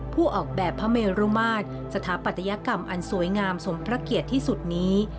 ผู้ออกแบบพระเมรุมาตรสถาปัตยกรรมอันสวยงามสมพระเกียรติที่สุดนี้